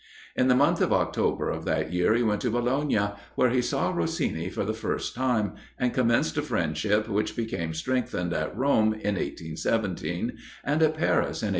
In the month of October of that year he went to Bologna, where he saw Rossini for the first time, and commenced a friendship which became strengthened at Rome, in 1817, and at Paris in 1831.